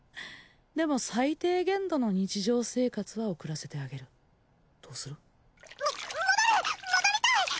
でも最低限度の日常生活は送らせてあげるどうする？も戻る戻りたいっ！